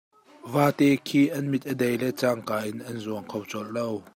Vafa khi an mit a dei le cangka in an zuang kho colh lo.